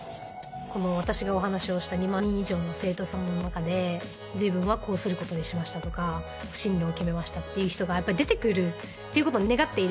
この私がお話をした２万人以上の生徒さんの中で自分はこうすることにしましたとか進路を決めましたっていう人が出てくるっていうことを願ってる